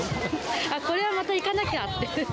これはまた行かなきゃって。